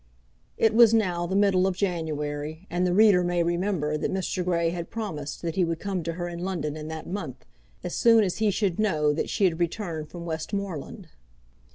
It was now the middle of January, and the reader may remember that Mr. Grey had promised that he would come to her in London in that month, as soon as he should know that she had returned from Westmoreland.